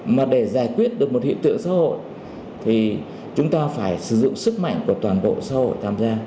mà để giải quyết được một hiện tượng xã hội thì chúng ta phải sử dụng sức mạnh của toàn bộ xã hội tham gia